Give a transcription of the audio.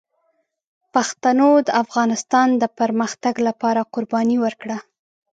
پښتنو د افغانستان د پرمختګ لپاره قربانۍ ورکړي.